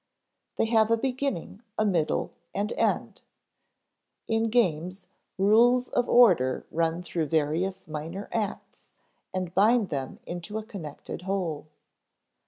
They have a beginning, middle, and end. In games, rules of order run through various minor acts and bind them into a connected whole.